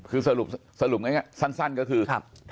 คือสรุปสั้นก็คือ